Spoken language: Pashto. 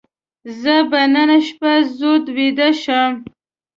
زه به نن شپه زود ویده شم.